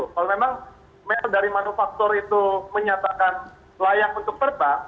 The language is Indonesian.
kalau memang mail dari manufaktur itu menyatakan layak untuk terbang